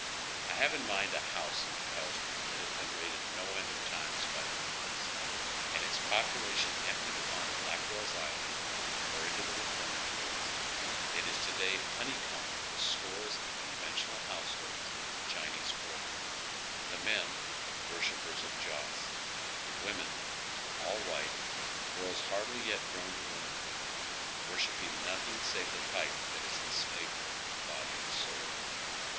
I have in mind a house in Pell Street that has been raided no end of times by the police, and its population emptied upon Blackwell's Island, or into the reformatories, yet is to day honey combed with scores of the conventional households of the Chinese quarter: tlie men worshippers of Joss; the women, all white, girls hardly yet grown to womanhood, worshipping nothing save the pipe that has enslaved them body and soul.